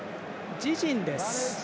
自陣です。